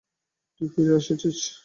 তুই ফিরে এসেছিস!